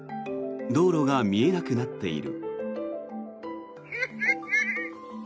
道路が見えなくなっている。